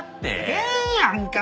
ええやんか！